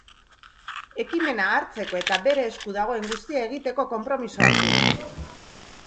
Ekimena hartzeko eta bere esku dagoen guztia egiteko konpromisoa hartu du.